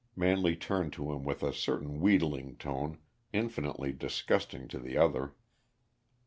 Manley turned to him with a certain wheedling tone, infinitely disgusting to the other.